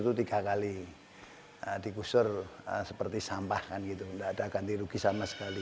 itu tiga kali dikusur seperti sampah kan gitu nggak ada ganti rugi sama sekali